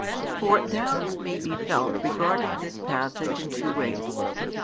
For doubts may be felt regarding this passage in two ways.